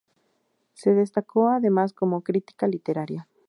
Se destacó además como crítica literaria.